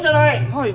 はい。